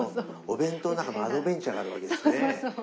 お弁当の中もアドベンチャーがあるわけですね。